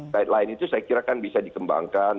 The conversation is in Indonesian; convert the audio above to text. guideline itu saya kirakan bisa dikembangkan